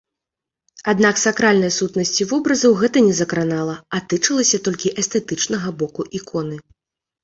Аднак сакральнай сутнасці вобразаў гэта не закранала, а тычылася толькі эстэтычнага боку іконы.